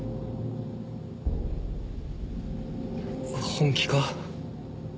本気か？